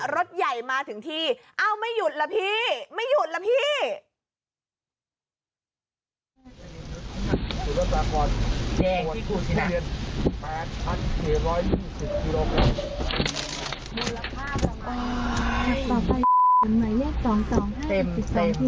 รถใหญ่มาถึงที่เอ้าไม่หยุดล่ะพี่ไม่หยุดละพี่